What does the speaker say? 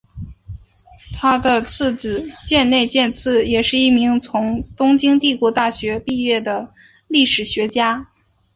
他的次子箭内健次也是一名从东京帝国大学毕业的历史学家。